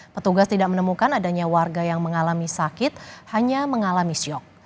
petugas tidak menemukan adanya warga yang mengalami sakit hanya mengalami syok